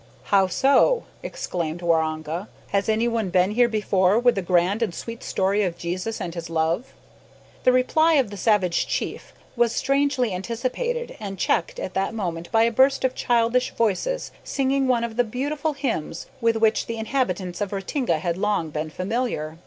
"How so?" exclaimed Waroonga, "has any one been here before with the grand and sweet story of Jesus and His love." The reply of the savage chief was strangely anticipated and checked at that moment by a burst of childish voices singing one of the beautiful hymns with which the inhabitants of Ratinga had long been familiar.